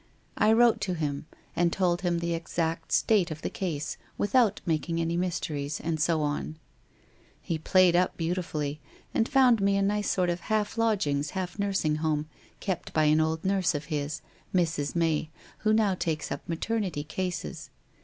I wrote to him, and told him the exact state of the case, without making any mysteries, and so on. He played up beautifully, and found me a nice sort of half lodgings, half nursing home, kept by an old nurse of his, Mrs. May, who now takes up maternity cases.